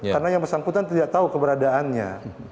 karena yang bersangkutan tidak tahu keberadaannya